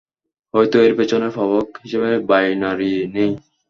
হয়তো এর পেছনে প্রভাবক হিসেবে বাইনারি নেই।